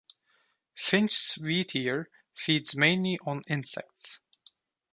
Finsch's wheatear feeds mainly on insects.